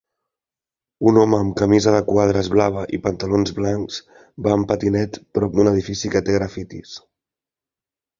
Un home amb camisa de quadres blava i pantalons blancs va en patinet prop d'un edifici que té grafitis